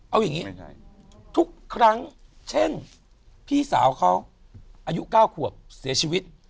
เอาอย่างนี้ทุกครั้งเช่นพี่สาวเขาอายุ๙ขวบเสียชีวิต